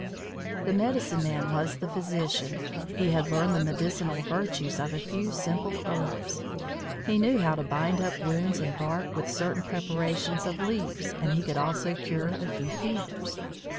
The medicine man was the physician. He had learned the medicinal virtues of a few simple herbs. He knew how to bind up wounds in bark with certain preparations of leaves, and he could also cure a few fevers.